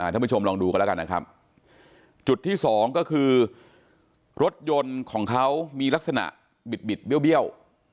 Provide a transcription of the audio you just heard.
ท่านผู้ชมลองดูกันแล้วกันนะครับจุดที่สองก็คือรถยนต์ของเขามีลักษณะบิดบิดเบี้ยว